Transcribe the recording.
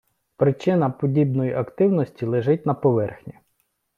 Причина подібної активності лежить на поверхні.